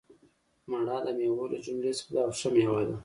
مڼه دمیوو له جملي څخه ده او ښه میوه ده